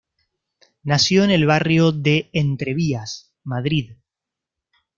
Nació en el barrio de Entrevías, Madrid.